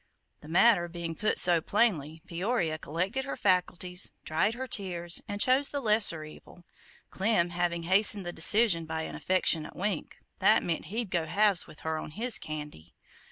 The matter being put so plainly, Peoria collected her faculties, dried her tears and chose the lesser evil, Clem having hastened the decision by an affectionate wink, that meant he'd go halves with her on his candy.